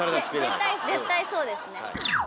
絶対絶対そうですね。